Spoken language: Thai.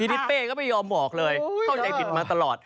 ทีนี้เป้ก็ไม่ยอมบอกเลยเข้าใจผิดมาตลอด